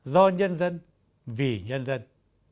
do nhân dân vì nhân dân